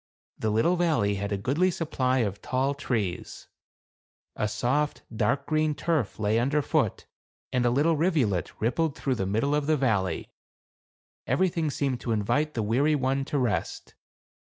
The little valley had a goodly supply of tall trees ; a soft, dark green turf lay under foot, and a little rivulet rippled through the middle of the valley ; everything seemed to invite the weary one to rest.